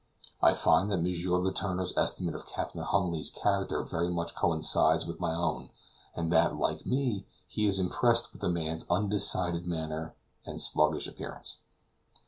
I find that M. Letourneur's estimate of Captain Huntly's character very much coincides with my own, and that, like me, he is impressed with the man's undecided manner and sluggish appearance.